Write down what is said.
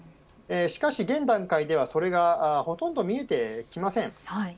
しかし現段階ではそれがほとんど見えてきません。